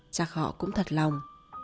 chắc họ cũng thật lòng